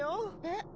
えっ？